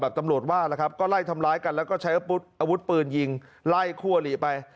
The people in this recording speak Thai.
ตำรวจว่าแล้วครับก็ไล่ทำร้ายกันแล้วก็ใช้อาวุธปืนยิงไล่คั่วหลีไป